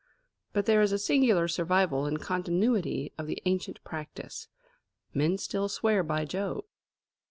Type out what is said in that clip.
But there is a singular survival and continuity of the ancient practice: men still swear by Jove.